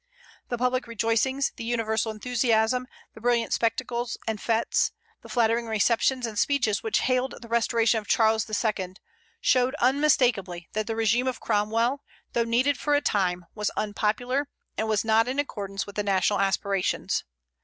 The public rejoicings, the universal enthusiasm, the brilliant spectacles and fêtes, the flattering receptions and speeches which hailed the restoration of Charles II., showed unmistakably that the régime of Cromwell, though needed for a time, was unpopular, and was not in accordance with the national aspirations.